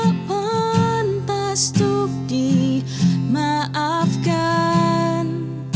tuhan pastu dimaafkan